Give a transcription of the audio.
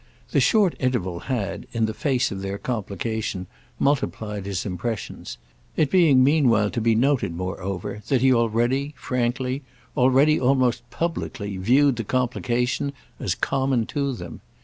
The short interval had, in the face of their complication, multiplied his impressions—it being meanwhile to be noted, moreover, that he already frankly, already almost publicly, viewed the complication as common to them.